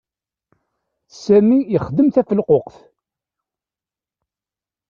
Sami ixdem tafelquqt.